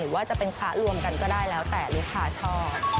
ว่าจะเป็นพระรวมกันก็ได้แล้วแต่ลูกค้าชอบ